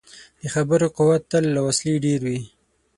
د خبرو قوت تل له وسلې ډېر وي.